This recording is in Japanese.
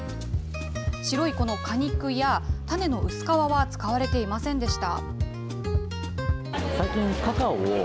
白いこの果肉や種の薄皮は使われていませんでした。